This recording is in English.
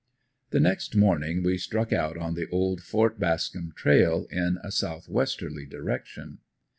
The next morning we struck out on the "Old Fort Bascom" trail, in a southwesterly direction.